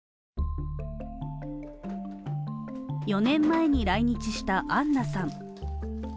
４年前に来日したアンナさん。